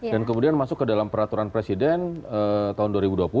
dan kemudian masuk ke dalam peraturan presiden tahun dua ribu dua puluh